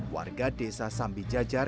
warga desa sambijajar